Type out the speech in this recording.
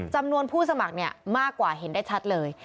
จำนวนผู้สมัครมากกว่าเห็นได้ชัดเลย